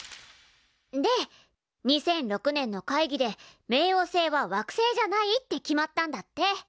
で２００６年の会議で冥王星は惑星じゃないって決まったんだって。